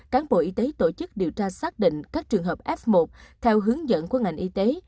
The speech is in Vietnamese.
cán bộ y tế tổ chức điều tra xác định các trường hợp f một theo hướng dẫn của ngành y tế